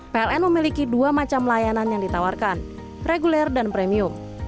pln memiliki dua macam layanan yang ditawarkan reguler dan premium